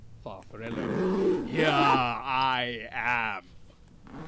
Farfarello. Here I am.